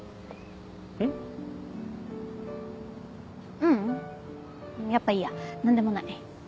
ううんやっぱいいや何でもない。